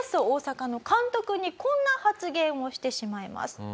大阪の監督にこんな発言をしてしまいます。